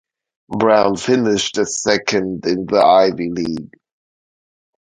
Brown finished second in the Ivy League.